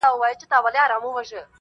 o هغه د بل د كور ډېوه جوړه ده.